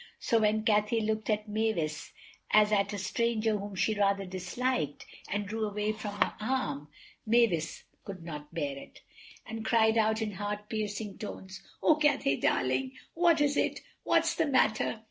So when Cathay looked at Mavis as at a stranger whom she rather disliked, and drew away from her arm, Mavis could not bear it, and cried out in heart piercing tones, "Oh, Cathay, darling, what is it? What's the matter?"